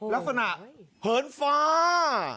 ลักษณะเหินฟ้า